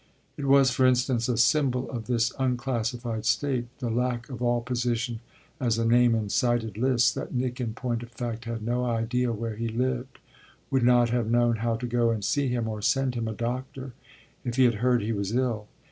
It was, for instance, a symbol of this unclassified state, the lack of all position as a name in cited lists, that Nick in point of fact had no idea where he lived, would not have known how to go and see him or send him a doctor if he had heard he was ill.